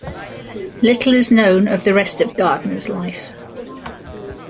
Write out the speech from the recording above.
Little is known of the rest of Gardiner's life.